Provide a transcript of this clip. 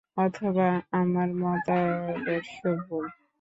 অথবা আমার মতাদর্শ ভুল।